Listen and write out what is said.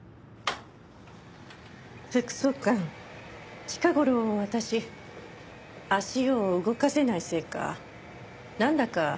副総監近頃私足を動かせないせいかなんだか